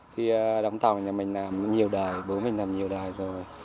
thì đóng tàu nhà mình làm nhiều đời bố mình làm nhiều đời rồi